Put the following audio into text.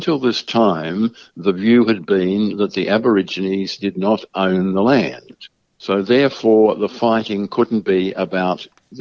keadaan perang harus berubah